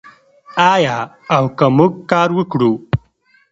آیا او که موږ کار وکړو؟